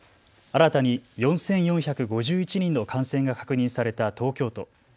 新たに４４５１人の感染が確認された東京都。